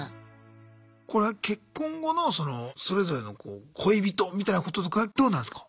これは結婚後のそれぞれの恋人みたいなこととかはどうなんすか？